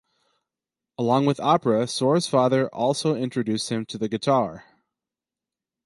Along with opera, Sor's father also introduced him to the guitar.